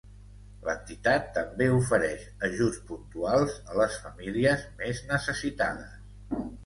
L'entitat també ofereix ajuts puntuals a les famílies més necessitades.